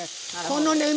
このね